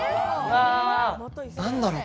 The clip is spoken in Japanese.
何だろう？